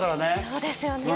そうですよね